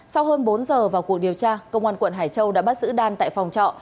sau hơn bốn giờ vào cuộc điều tra công an quận hải châu đã bắt giữ đan tại phòng trọ